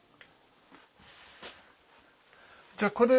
じゃあこれ袋。